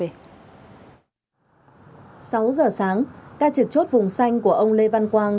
sáu giờ sáng ca trượt chốt vùng xanh của ông lê văn quang